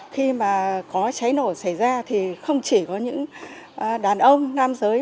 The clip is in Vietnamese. khi mà có cháy nổ xảy ra thì không chỉ có những đàn ông nam giới